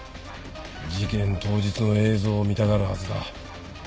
事件当日の映像を見たがるはずだ。